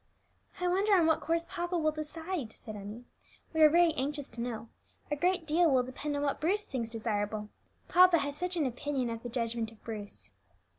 "I wonder on what course papa will decide," said Emmie; "we are very anxious to know. A great deal will depend on what Bruce thinks desirable, papa has such an opinion of the judgment of Bruce."